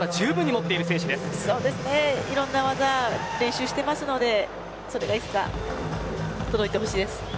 いろんな技を練習してますのでそれがいつか届いてほしいです。